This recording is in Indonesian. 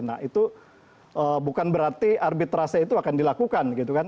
nah itu bukan berarti arbitrase itu akan dilakukan gitu kan